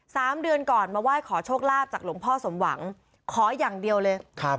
สามเดือนก่อนมาไหว้ขอโชคลาภจากหลวงพ่อสมหวังขออย่างเดียวเลยครับ